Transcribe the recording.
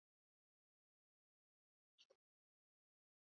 hiyo ni Nape mwenyeweChangamoto ya tatu kwenye habari ni maslahi ya waandishi wa